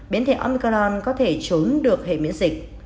biến thể onicaron có thể trốn được hệ miễn dịch